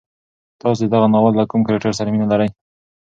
تاسو د دغه ناول له کوم کرکټر سره مینه لرئ؟